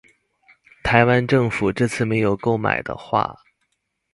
台灣政府這次沒有購買的話